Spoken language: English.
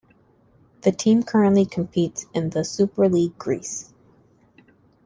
The team currently competes in the Super League Greece.